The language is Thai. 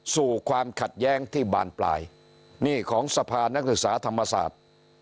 ความขัดแย้งที่บานปลายนี่ของสภานักศึกษาธรรมศาสตร์